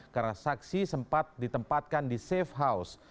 karena saksi sempat ditempatkan di safe house